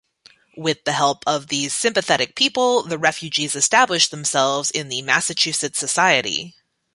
With the help of these sympathetic people, the refugees established themselves in Massachusetts society.